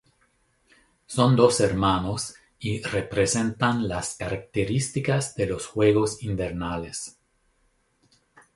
Son dos hermanos y representan las características de los Juegos Invernales.